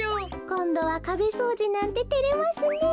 こんどはかべそうじなんててれますねえ。